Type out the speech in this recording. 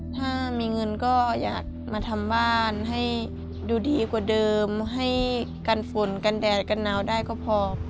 ถ้ามีเงินก็อยากมาทำบ้านให้ดูดีกว่าเดิมให้กันฝนกันแดดกันหนาวได้ก็พอ